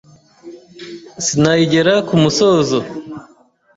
Sinayigera ku musozo